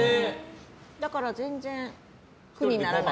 だから全然、苦にならない。